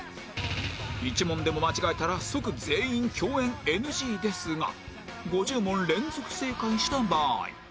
１問でも間違えたら即全員共演 ＮＧ ですが５０問連続正解した場合